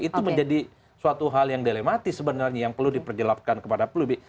itu menjadi suatu hal yang dilematis sebenarnya yang perlu diperjelaskan kepada publik